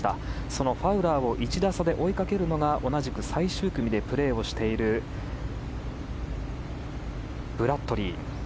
そのファウラーを１打差で追いかけるのが同じく最終組でプレーをしているブラッドリー。